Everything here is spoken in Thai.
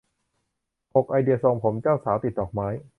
หก ไอเดียทรงผมเจ้าสาวติดดอกไม้